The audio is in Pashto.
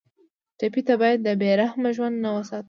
ټپي ته باید د بې رحمه ژوند نه وساتو.